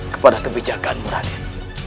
kepada kebijakan muradir